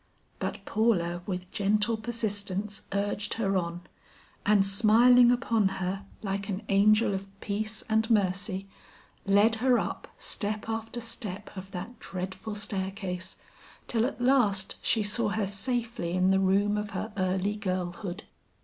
But Paula with gentle persistence urged her on, and smiling upon her like an angel of peace and mercy, led her up step after step of that dreadful staircase, till at last she saw her safely in the room of her early girlhood.